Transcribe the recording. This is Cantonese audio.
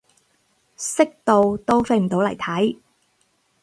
識到都飛唔到嚟睇